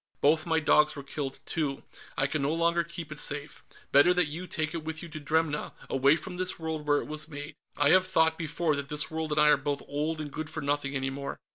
Both my dogs were killed, too. I can no longer keep it safe. Better that you take it with you to Dremna, away from this world where it was made. I have thought, before, that this world and I are both old and good for nothing any more."